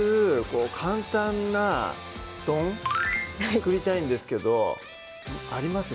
こう簡単な丼作りたいんですけどあります？